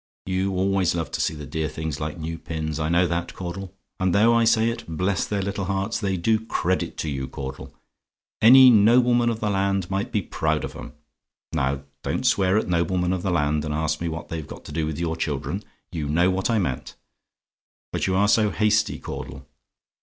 You always love to see the dear things like new pins, I know that, Caudle; and though I say it bless their little hearts! they do credit to you, Caudle. Any nobleman of the land might be proud of 'em. Now don't swear at noblemen of the land, and ask me what they've to do with your children; you know what I meant. But you ARE so hasty, Caudle.